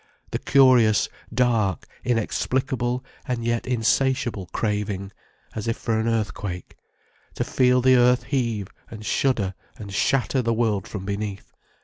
The curious, dark, inexplicable and yet insatiable craving—as if for an earthquake. To feel the earth heave and shudder and shatter the world from beneath.